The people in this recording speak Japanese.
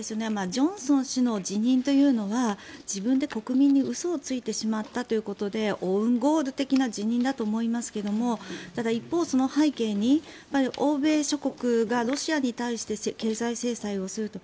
ジョンソン氏の辞任というのは自分で国民に嘘をついてしまったということでオウンゴール的な辞任だと思いますけどただ一方、その背景に欧米諸国がロシアに対して経済制裁をすると。